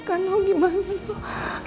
kangen sama mereka